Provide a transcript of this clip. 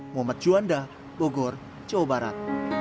muhammad juanda bogor jawa barat